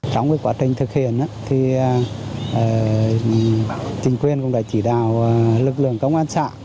trong quá trình thực hiện tình quyền cũng đã chỉ đào lực lượng công an xã